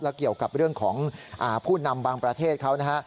เกี่ยวกับเรื่องของผู้นำบางประเทศเขานะฮะ